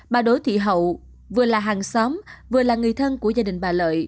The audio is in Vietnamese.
bà đỗ thị hậu vừa là hàng xóm vừa là người thân của gia đình bà lợi